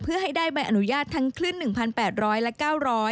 เพื่อให้ได้ใบอนุญาตทั้งคลื่น๑๘๐๐และ๙๐๐